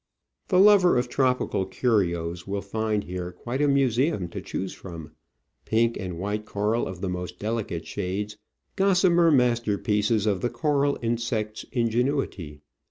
The lover of tropical curios will find here quite a museum to choose from : pink and white coral of the most delicate shades, gossamer masterpieces of the coral insect's ingenuity, SUGAR MILL, UARBADOES.